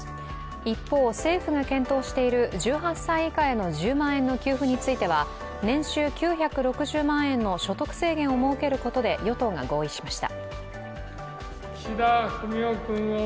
一方、政府が検討している１８歳以下への１０万円の給付については、年収９６０万円の所得制限を設けることで与党が合意しました。